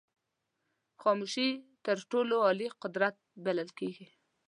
خاموشي تر ټولو عالي قدرت بلل کېږي.